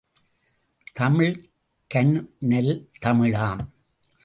தமிழ் கன்னல் தமிழாம்.